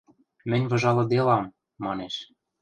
– Мӹнь выжалыделам, – манеш.